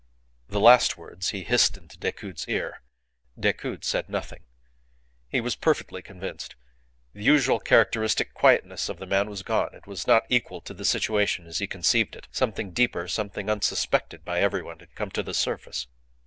The last words he hissed into Decoud's ear. Decoud said nothing. He was perfectly convinced. The usual characteristic quietness of the man was gone. It was not equal to the situation as he conceived it. Something deeper, something unsuspected by everyone, had come to the surface.